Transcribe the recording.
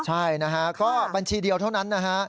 ใช่นะฮะก็บัญชีเดียวเท่านั้นนะฮะ